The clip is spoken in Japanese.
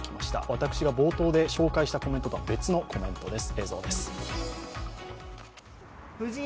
私が冒頭で紹介したコメントとは別のコメントです。